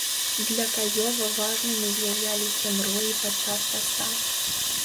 Для каёва важнымі з'яўляліся мроі падчас паста.